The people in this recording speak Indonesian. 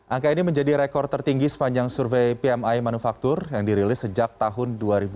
angka ini menjadi rekor tertinggi sepanjang survei pmi manufaktur yang dirilis sejak tahun dua ribu dua puluh